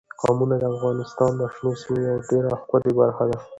قومونه د افغانستان د شنو سیمو یوه ډېره ښکلې ښکلا ده.